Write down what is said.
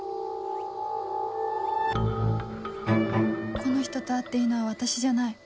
この人と会っていいのは私じゃない